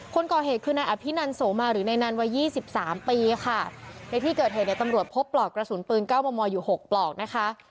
คนก่อเหตุคือนายอภินันโสมาหรือในนั้นวัยยี่สิบสามปีค่ะในที่เกิดเหตุในตำรวจพบปลอกกระสุนปืนเก้ามอมออยู่หกปลอกนะคะ